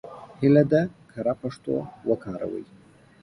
هیله ده کره پښتو وکاروئ.